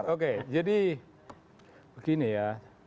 oke jadi begini ya